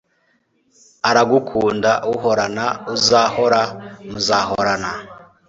aragukunda uhorana uzahora Muzahorana